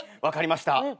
分かりました。